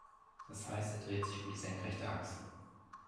Das heißt, er dreht sich um die senkrechte Achse.